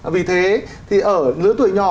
vì thế thì ở lứa tuổi nhỏ